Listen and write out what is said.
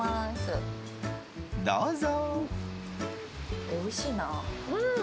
どうぞ。